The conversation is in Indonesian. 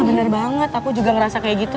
bener banget aku juga ngerasa kayak gitu